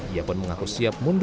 ia pun mengaku siap